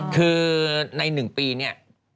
คือใน๑ปีเนี่ย